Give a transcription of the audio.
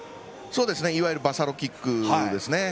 いわゆるバサロキックです。